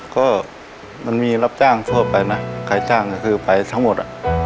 ก็มันมีรับจ้างทั่วไปนะใครจ้างก็คือไปทั้งหมด